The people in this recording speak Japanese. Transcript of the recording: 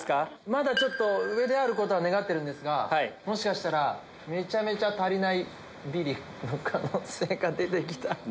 まだ上であることは願ってるんですがもしかしたらめちゃめちゃ足りないビリの可能性出てきた。